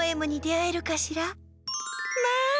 まあ！